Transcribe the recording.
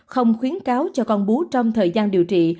không khuyến cáo cho con bú trong thời gian điều trị